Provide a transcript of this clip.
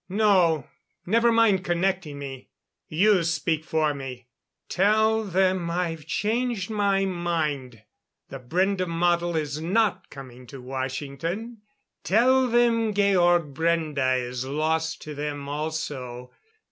No, never mind connecting me. You speak for me. Tell them I've changed my mind. The Brende model is not coming to Washington. Tell them Georg Brende is lost to them, also.